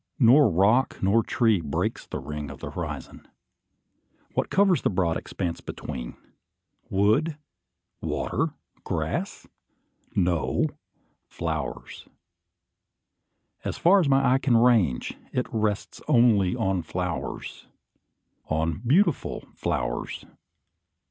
Nor rock, nor tree, breaks the ring of the horizon. What covers the broad expanse between? Wood? water? grass? No; flowers. As far as my eye can range, it rests only on flowers, on beautiful flowers!